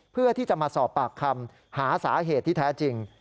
เพื่อที่จะมาสอบปากคำหาสาเหตุที่แท้จริง